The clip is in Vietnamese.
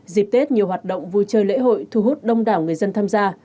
dịp tết nhiều hoạt động vui chơi lễ hội thu hút đông đảo người dân tham gia